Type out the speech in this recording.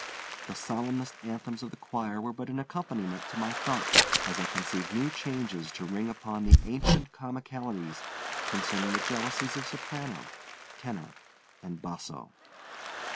The solemnest anthems of the choir were but an accompaniment to my thoughts as I conceived new changes to ring upon the ancient comicalities concerning the jealousies of soprano, tenor, and basso.